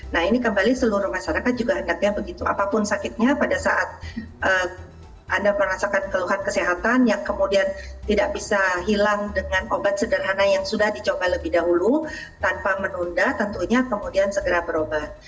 nah ini kembali seluruh masyarakat juga hendaknya begitu apapun sakitnya pada saat anda merasakan keluhan kesehatan yang kemudian tidak bisa hilang dengan obat sederhana yang sudah dicoba lebih dahulu tanpa menunda tentunya kemudian segera berobat